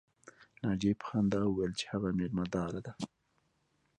ناجیې په خندا وویل چې هغه مېلمه داره ده